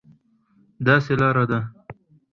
داسې لار ده،